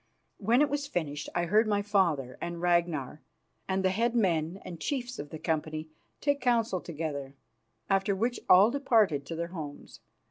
When it was finished I heard my father and Ragnar and the head men and chiefs of the company take counsel together, after which all departed to their homes.